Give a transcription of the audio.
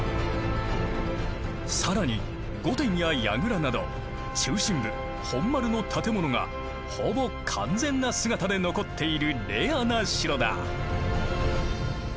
更に御殿や櫓など中心部本丸の建物がほぼ完全な姿で残っているレアな城だ。